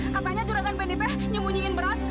katanya juragan benny teh nyembunyiin beras buat warga